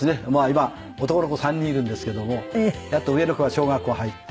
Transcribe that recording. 今男の子３人いるんですけどもやっと上の子が小学校入って。